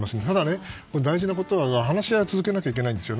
ただ、大事なことは話し合いは続けないといけません。